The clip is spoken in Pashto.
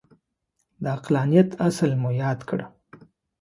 د عقلانیت اصل مو یاد کړ.